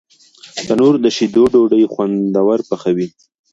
تنور د شیدو ډوډۍ خوندور پخوي